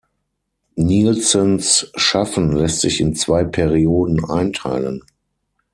Nielsens Schaffen lässt sich in zwei Perioden einteilen.